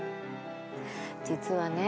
実はね